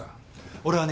俺はね